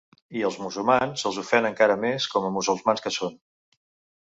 I als musulmans els ofèn encara més com a musulmans que són.